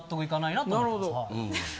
なるほど。